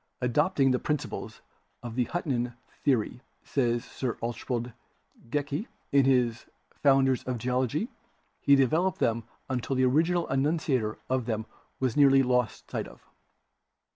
Adopting the principles of the Huttonian the ory, says Sir Archibald Geikie in his 'Founders of Ge ology/ he developed them until the original enunciator of them was nearly lost sight of.